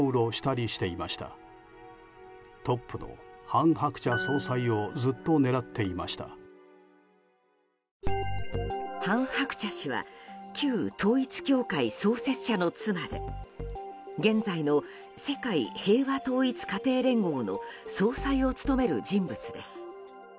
韓鶴子氏は旧統一教会創設者の妻で現在の世界平和統一家庭連合の総裁を務める人物です。